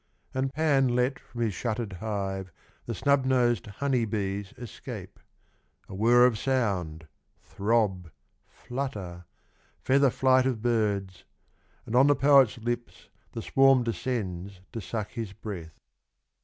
And Pan let from his shuttered hive The snub nosed honey bees escape — A whirr of sound, throb, flutter, Feather flight of birds, And on the poet's lips The swarm descends to suck his breath.